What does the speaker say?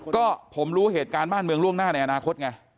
ก็ผมรู้เหตุการณ์บ้านเมืองล่วงหน้าในอนาคตไง